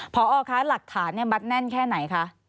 พออ่ออลักฐานเนี่ยบัตรแน่นแค่ไหนคะ